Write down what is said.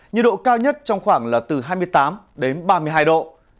nhiệt độ cao nhất trong khoảng là từ hai mươi tám đến ba mươi hai độ